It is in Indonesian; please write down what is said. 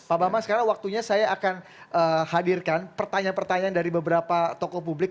pak bambang sekarang waktunya saya akan hadirkan pertanyaan pertanyaan dari beberapa tokoh publik